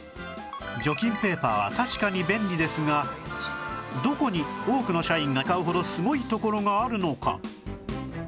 除菌ペーパーは確かに便利ですがどこに多くの社員が買うほどすごいところがあるのか？